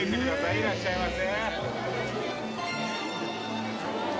いらっしゃいませ。